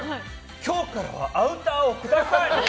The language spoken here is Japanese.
今日からはアウターをください！